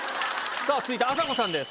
続いてあさこさんです。